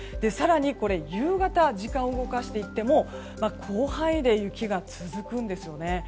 更に、夕方時間を動かしていっても広範囲で雪が続くんですよね。